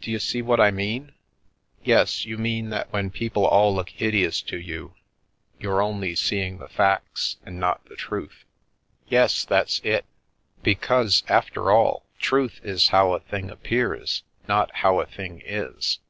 D'you see what I mean ?" "Yes — you mean that when people all look hideous to you you're only seeing the facts and not the truth." " Yes, that's it. Because, after all, truth is how a thing appears, not how a thing is."